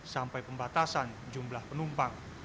sampai pembatasan jumlah penumpang